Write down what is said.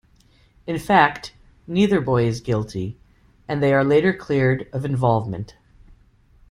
In fact, neither boy is guilty, and they are later cleared of involvement.